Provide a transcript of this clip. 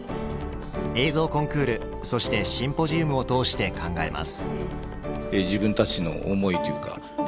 映像コンクールそしてシンポジウムを通して考えます。